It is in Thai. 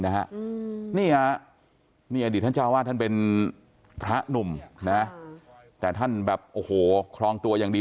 นี่ฮะนี่อดีตท่านเจ้าวาดท่านเป็นพระหนุ่มนะแต่ท่านแบบโอ้โหครองตัวอย่างดี